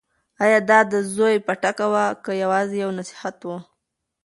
ایا دا د زوی پټکه وه که یوازې یو نصیحت و؟